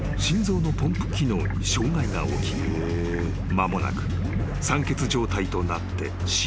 ［間もなく酸欠状態となって死を招く］